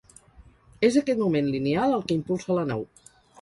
És aquest moment lineal el que impulsa la nau.